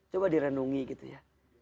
coba direnungi gitu ya